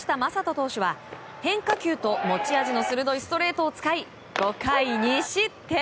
投手は変化球と持ち味の鋭いストレートを使い５回２失点。